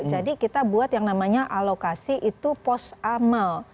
jadi kita buat yang namanya alokasi itu pos amal